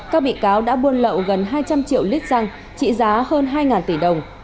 các bị cáo đã buôn lậu gần hai trăm linh triệu lít xăng trị giá hơn hai tỷ đồng